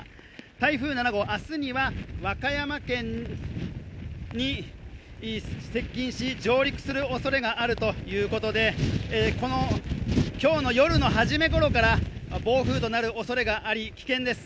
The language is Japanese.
台風７号、明日には和歌山県に接近し上陸するおそれがあるということで、今日の夜の初めごろから暴風となるおそれがあり、危険です。